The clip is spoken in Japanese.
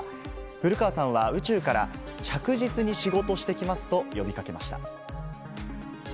古川さんは宇宙から、着実に仕事してきますと呼びかけました。